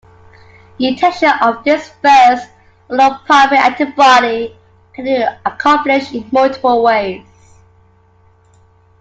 Detection of this first or "primary antibody" can be accomplished in multiple ways.